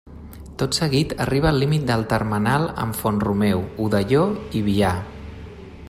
Tot seguit arriba al límit del termenal amb Font-romeu, Odelló i Vià.